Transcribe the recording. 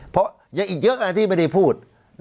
เพราะยังอีกเยอะไงที่ไม่ได้พูด